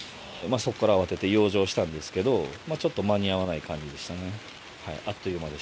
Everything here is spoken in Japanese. そこから慌てて養生したんですけど、ちょっと間に合わない感じでしたね。